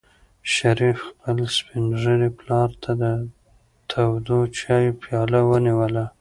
شریف خپل سپین ږیري پلار ته د تودو چایو پیاله ونیوله.